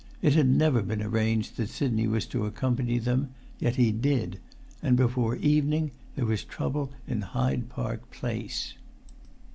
It had never been arranged that Sidney was to accompany them; yet he did; and before evening there was trouble in Hyde Park Place.